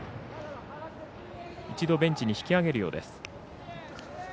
一度ベンチに引き上げるようです。